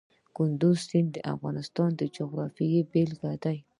کندز سیند د افغانستان د جغرافیې بېلګه ده.